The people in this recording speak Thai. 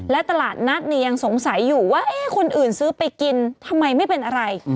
และตลาดนัดเนี่ยยังสงสัยอยู่ว่าคนอื่นซื้อไปกินทำไมไม่เป็นอะไร